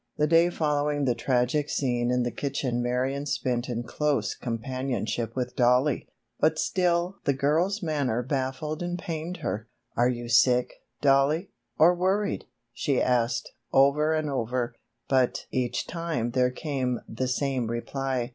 The day following the tragic scene in the kitchen Marion spent in close companionship with Dollie, but still the girl's manner baffled and pained her. "Are you sick, Dollie, or worried?" she asked, over and over, but each time there came the same reply.